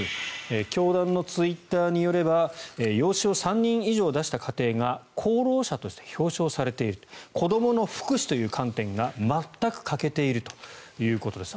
教団のツイッターによれば養子を３人以上出した家庭が功労者として表彰されている子どもの福祉という観点が全く欠けているということです。